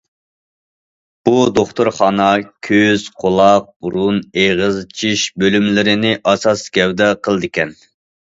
بۇ دوختۇرخانا كۆز، قۇلاق، بۇرۇن، ئېغىز، چىش بۆلۈملىرىنى ئاساسىي گەۋدە قىلىدىكەن.